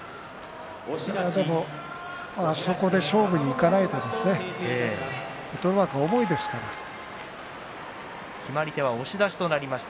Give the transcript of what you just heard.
でもあそこで勝負にいかないで決まり手は押し出しとなりました。